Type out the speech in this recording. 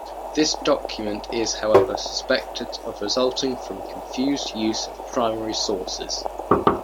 This document is however suspected of resulting from confused use of primary sources.